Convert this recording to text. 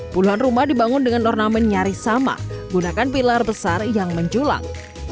puluhan rumah dibangun dengan ornamen nyaris sama gunakan pilar besar yang menculang